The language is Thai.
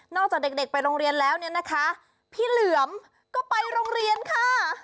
นอกจากเด็กไปโรงเรียนแล้วพี่เหลื่อมก็ไปโรงเรียนค่ะ